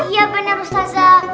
ya bener ustazah